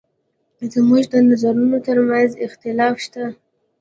زموږ د نظرونو تر منځ اختلاف شته.